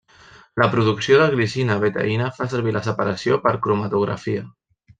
La producció de glicina betaïna fa servir la separació per cromatografia.